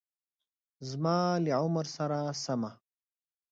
زما له عمر سره سمه